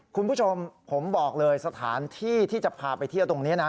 คุณผู้ชมผมบอกเลยสถานที่ที่จะพาไปเที่ยวตรงนี้นะ